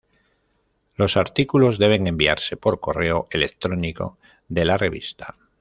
Los artículos deben enviarse por correo electrónico de la Revista.